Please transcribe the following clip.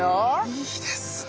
いいですね。